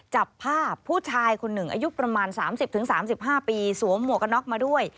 จับภาพผู้ชายคนหนึ่งอายุประมาณ๓๐๓๕ปีสวมหมวกกันน็อกมาด้วย